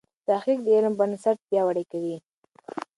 تحقیق د علم بنسټ پیاوړی کوي.